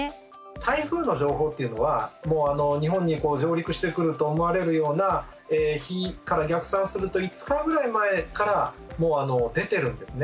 台風の情報っていうのは日本に上陸してくると思われるような日から逆算すると５日ぐらい前からもう出てるんですね。